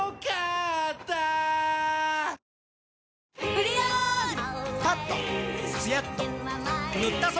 「プリオール」！